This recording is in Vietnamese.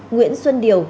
nguyễn xuân điều